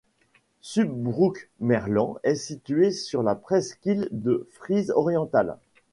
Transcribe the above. Südbrookmerland est située sur la presqu'île de Frise orientale.